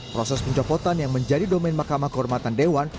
proses pencopotan yang menjadi domen mahkamah kehormatan dewan